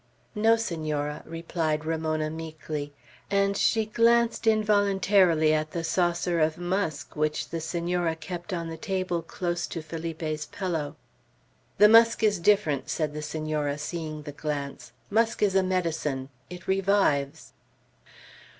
"No, Senora," replied Ramona, meekly; and she glanced involuntarily at the saucer of musk which the Senora kept on the table close to Felipe's pillow. "The musk is different," said the Senora, seeing the glance. "Musk is a medicine; it revives."